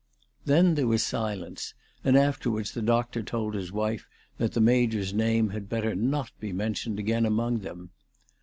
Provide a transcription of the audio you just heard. Then there was silence, and after wards the doctor told his wife that the Major's name had better not be mentioned again among them.